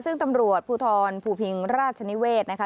ซึ่งตำรวจภูทรภูพิงราชนิเวศนะคะ